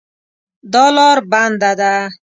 دا لار بنده ده